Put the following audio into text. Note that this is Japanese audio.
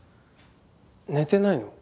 寝てないの？